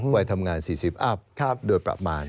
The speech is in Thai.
วัยทำงาน๔๐อัพโดยประมาณ